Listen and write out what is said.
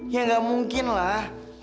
ya nggak mungkin lah